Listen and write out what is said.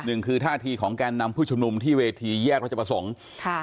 หนึ่งคือท่าทีของแกนนำผู้ชุมนุมที่เวทีแยกรัชประสงค์ค่ะ